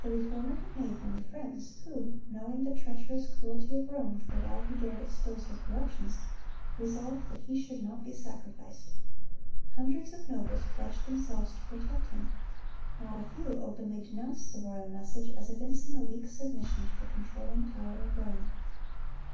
The Reformer had made many friends, who, knowing the treacherous cruelty of Rome toward all who dared expose her corruptions, resolved that he should not be sacrificed. Hundreds of nobles pledged themselves to protect him. Not a few openly denounced the royal message as evincing a weak submission to the controlling power of Rome.